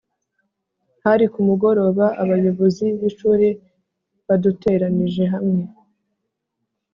hari ku mugoroba, abayobozi b’ishuri baduteranije hamwe